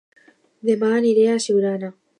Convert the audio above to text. Dema aniré a Siurana